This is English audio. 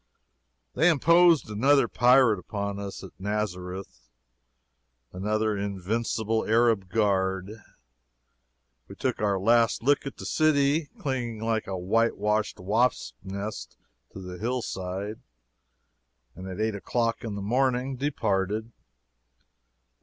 They imposed another pirate upon us at Nazareth another invincible Arab guard. We took our last look at the city, clinging like a whitewashed wasp's nest to the hill side, and at eight o'clock in the morning departed.